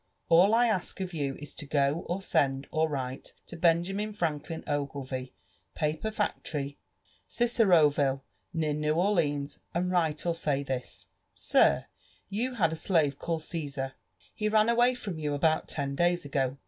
All I ask of you is to go» or send» or write to Benjamin Franklin Oglevie, paper factory, GicerbviUot near New Orleans; and write or say this :* Sir,— you had a slave callad Cffisar; he ran away from you about ten days ago.